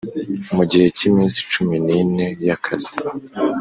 mu gihe cy iminsi cumi n ine y akazi